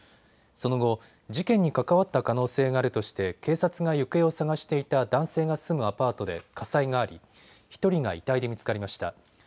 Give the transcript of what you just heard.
その後、事件に関わった可能性があるとして警察が行方を捜していた男性が住むアパートで火災があり１人が遺体で見つかりました。